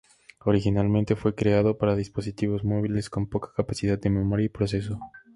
Originalmente fue creado para dispositivos móviles con poca capacidad de memoria y proceso.